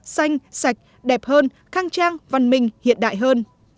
xanh sạch đẹp hơn khang trang văn minh hiện đại hơn